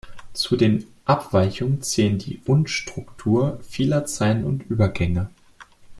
Zu den Abweichungen zählen die "und"-Struktur vieler Zeilen und Übergänge.